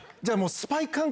スパイ感覚？